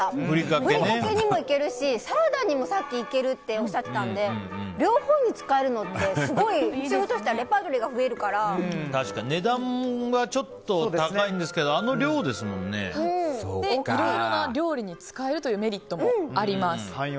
ふりかけにもいけるしサラダにもさっきいけるっておっしゃっていたんで両方に使えるのってすごい主婦としては値段がちょっと高いんですけどいろいろな料理に使えるというメリットもあります。